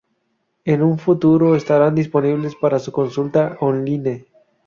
En un futuro estarán disponibles para su consulta online.